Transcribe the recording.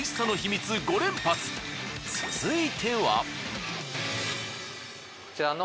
続いては。